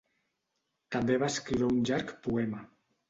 També va escriure un llarg poema.